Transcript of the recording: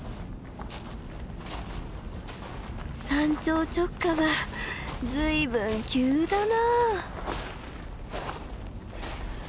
山頂直下は随分急だな。